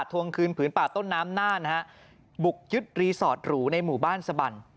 ทวงคืนผืนป่าต้นน้ำน่านนะฮะบุกยึดรีสอร์ตหรูในหมู่บ้านสบัน